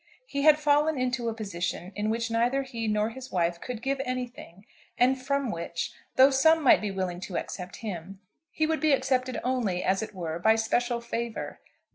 He had fallen into a position in which neither he nor his wife could give anything, and from which, though some might be willing to accept him, he would be accepted only, as it were, by special favour.